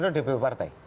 itu dpp partai